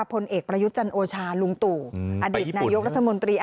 พลเอกประยุทธ์จันโอชาลุงตู่อดีตนายกรัฐมนตรี